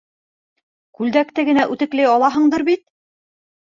Күлдәкте генә үтекләй алаһыңдыр бит?